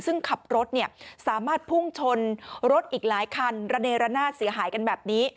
ซึ่งขับรถสามารถพุ่งชนรถอีกหลายคันระเนรนาศเสียหายกันแบบนี้